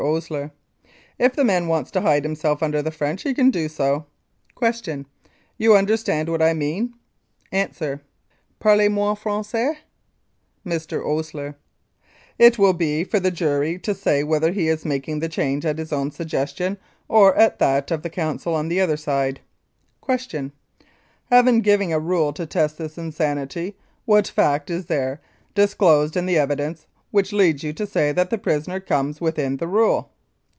OSLER: If the man wants to hide himself under the French he can do so. Q. You understand what I mean? A. Parle moi Francois? Mr. OSLER: It will be for the jury to say whether he is making the change at his own suggestion or at that of the counsel on the other side. Q. Having given a rule to test this insanity, what fact is there disclosed in the evidence which leads you to say that the prisoner comes within the rule?